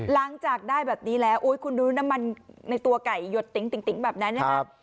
หลังจากได้แบบนี้แล้วคุณดูน้ำมันในตัวไก่หยดติ๊งแบบนั้นนะครับ